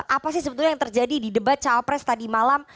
apa sih sebetulnya yang terjadi di debat cawapres tadi malam